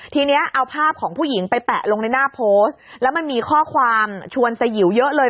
ทีนี้เอาภาพของผู้หญิงไปแปะลงในหน้าโพสต์แล้วมันมีข้อความชวนสยิวเยอะเลย